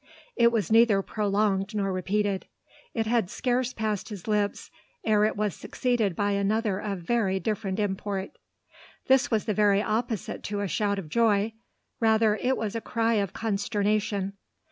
It was neither prolonged nor repeated. It had scarce passed his lips, ere it was succeeded by another of very different import. This was the very opposite to a shout of joy: rather was it a cry of consternation.